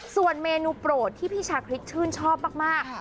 ส่วนเมนูโปรดที่พี่ชาคริสชื่นชอบมาก